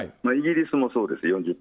イギリスもそうです、４０％。